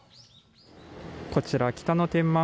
こちら北野天満